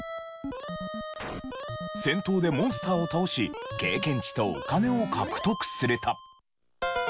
戦闘でモンスターを倒し経験値とお金を獲得すると。